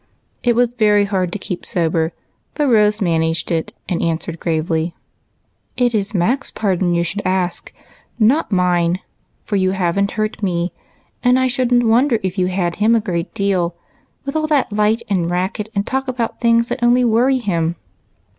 It was very hard to keep sober, but Rose managed it, and answered gravely, —" It is Mac's pardon you should ask, not mine, for you have n't hurt me, and I should n't wonder if you had him a great deal, with all that light and racket, and talk about things that only worry him."